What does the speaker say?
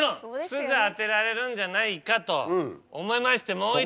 すぐ当てられるんじゃないかと思いまして。